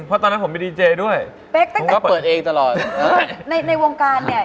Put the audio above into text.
เพราะตอนนั้นผมเป็นดีเจย์ด้วยเป๊กตั้งแต่เปิดเองตลอดในในวงการเนี้ย